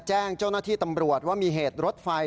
แจ้งเจ้าหน้าที่ตำรวจว่ามีเหตุรถไฟ